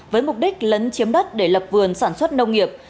với mục đích lấn chiếm đất để lập vườn sản xuất nông nghiệp